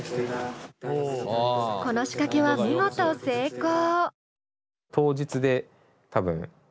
この仕掛けは見事成功。